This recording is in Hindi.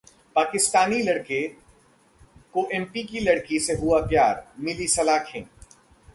पाकिस्तानी लड़के को एमपी की लड़की से हुआ प्यार, मिली सलाखें